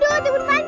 iya kak timun mas